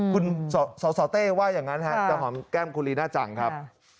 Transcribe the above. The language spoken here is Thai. คุณสสเต้ว่าอย่างนั้นจะหอมแก้มคุณลีน่าจังครับ